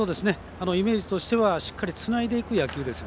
イメージとしてはしっかりつないでいく野球です。